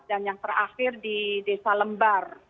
dan yang terakhir di desa lembar